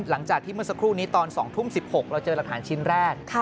หลังจากที่เมื่อสักครู่นี้ตอน๒ทุ่ม๑๖เราเจอหลักฐานชิ้นแรก